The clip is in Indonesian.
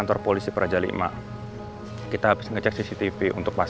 bu permisi dulu